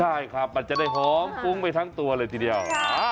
ใช่ครับมันจะได้หอมฟุ้งไปทั้งตัวเลยทีเดียว